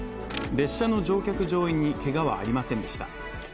列車の乗客乗員にけがはありませんでした。